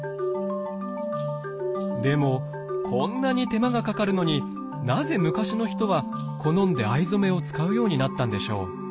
でもこんなに手間がかかるのになぜ昔の人は好んで藍染めを使うようになったんでしょう？